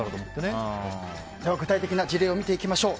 具体的な事例を見ていきましょう。